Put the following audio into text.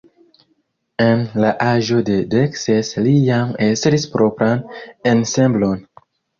En la aĝo de dek ses li jam estris propran ensemblon.